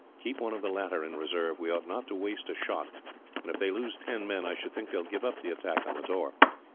Keep one of the latter in reserve. We ought not to waste a shot; and if they lose ten men, I should think they will give up the attack on the door.